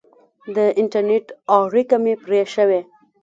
د انټرنېټ اړیکه مې پرې شوې.